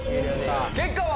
結果は？